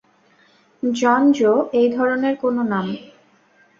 জন, Joe এই ধরনের কোনো নাম।